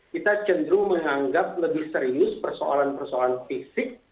kita cenderung menganggap lebih serius persoalan persoalan fisik